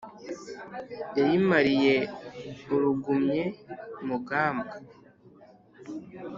yayimariye urugumye mugambwa